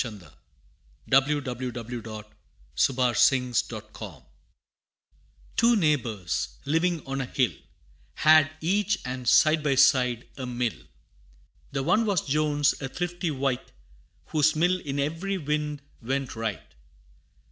[Illustration: The Two Windmills] Two neighbors, living on a hill, Had each and side by side a mill. The one was Jones, a thrifty wight Whose mill in every wind went right.